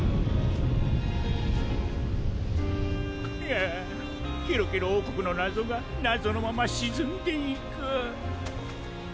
ああケロケロおうこくのなぞがなぞのまましずんでいく。